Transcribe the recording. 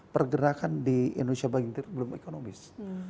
pergerakan di indonesia bagian timur belum ekonomis